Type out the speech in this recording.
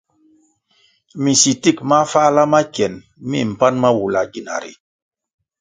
Minsitik mafáhla ma kien mi mpan ma wula gina ri.